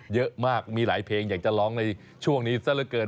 เยอะมากมีหลายเพลงอยากจะร้องในช่วงนี้ซะละเกิน